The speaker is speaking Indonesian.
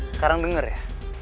sekarang denger ya